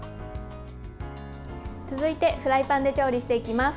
続いて、フライパンで調理していきます。